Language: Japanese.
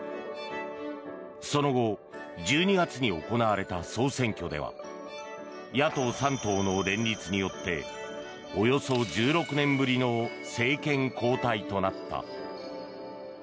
その後１２月に行われた総選挙では野党３党の連立によっておよそ１６年ぶりの政権交代となった。